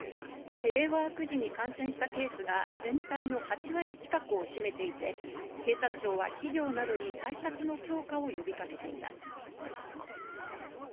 テレワーク時に感染したケースが全体の８割近くを占めていて、警察庁は企業などに対策の強化を呼びかけています。